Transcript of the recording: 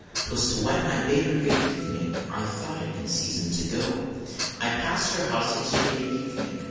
Twas 10 when I bade her good evening, I thought it in season to go. 1 passed her house yesterday evening.